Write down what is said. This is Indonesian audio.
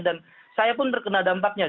dan saya pun terkena dampaknya